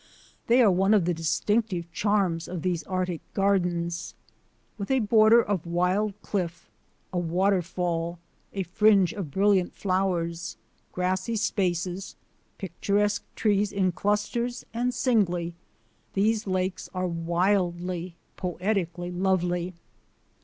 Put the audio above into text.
They are one of the distinctive charms of these Arctic gardens. With a border of wild cliff, a waterfall, a fringe of brilliant flowers, grassy spaces, picturesque trees in clusters and singly, these lakes are wildly, poetically lovely.